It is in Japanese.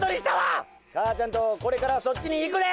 母ちゃんとこれからそっちに行くで！